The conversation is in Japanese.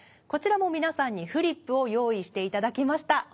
こちらも皆さんにフリップを用意していただきました。